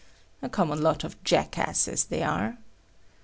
A common lot of jackasses they are.